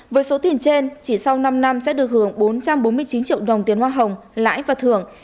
với số tiền trên chỉ sau năm năm sẽ được hưởng bốn trăm bốn mươi chín triệu đồng tiền hoa hồng lãi và thưởng